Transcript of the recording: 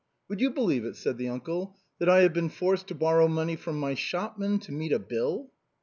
" Would you believe it," said the uncle, " that I have been forced to borrow money from my shopman to meet a bill?"